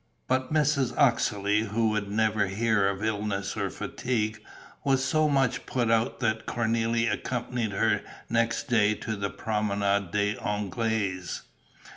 But Mrs. Uxeley, who would never hear of illness or fatigue, was so much put out that Cornélie accompanied her next day to the Promenade des Anglais.